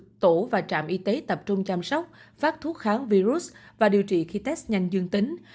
trong thời gian tổ chức và trạm y tế tập trung chăm sóc phát thuốc kháng virus và điều trị khi test nhanh dương tính